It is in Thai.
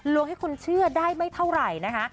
ให้คนเชื่อได้ไม่เท่าไหร่นะคะ